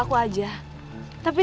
iyler yang sudah kelima